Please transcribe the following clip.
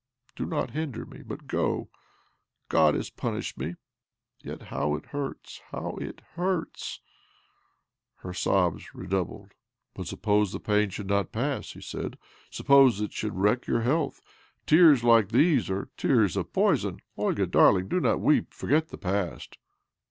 Do not hinder me, but go. God has punished me. Yet how it hurts, how it hurts !" Her sobs redoubled. " But suppose the pain should not pass?" he said. "Suppose it should wreck your health? Tears like these are tears of poison. Olga, darling, do not weep. Forget the past."